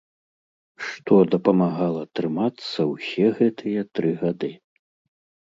Што дапамагала трымацца ўсе гэтыя тры гады?